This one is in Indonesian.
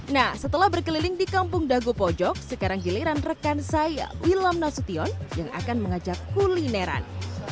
nah setelah berkeliling di kampung dago pojok sekarang giliran rekan saya wilam nasution yang akan mengajak kulineran